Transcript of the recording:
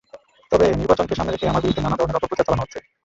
তবে নির্বাচনকে সামনে রেখে আমার বিরুদ্ধে নানা ধরনের অপপ্রচার চালানো হচ্ছে।